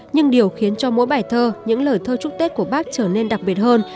nhưng điều khiến cho mỗi bài thơ những lời thơ chúc tết của bác trở nên đặc biệt hơn